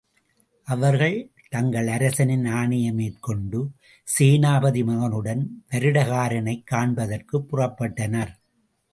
அவர்கள் தங்கள் அரசனின் ஆணையை மேற்கொண்டு சேனாபதி மகனுடன் வருடகாரனைக் காண்பதற்குப் புறப்பட்டனர்.